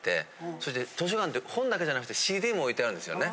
それで図書館って本だけじゃなくてＣＤも置いてあるんですよね。